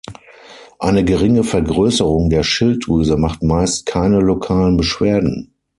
Eine geringe Vergrößerung der Schilddrüse macht meist keine lokalen Beschwerden.